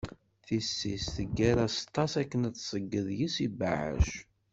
Tisist teggar azeṭṭa-s akken ad d-tseyyeḍ yess ibɛac.